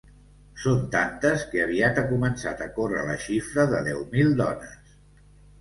Són tantes que aviat ha començat a córrer la xifra de deu mil dones.